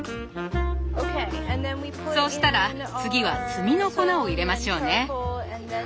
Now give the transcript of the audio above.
そうしたら次は炭の粉を入れましょうね。